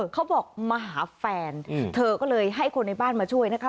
เขาบอกมาหาแฟนเธอก็เลยให้คนในบ้านมาช่วยนะคะ